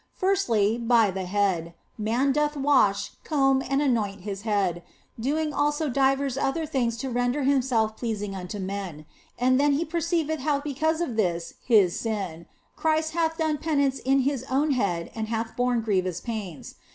Firstly, by the head : man doth wash, comb, and anoint his head, doing also divers other things to render himself pleasing unto men, and then he perceiveth how because of this his sin, Christ hath done penance in His own head and hath borne grievous pains.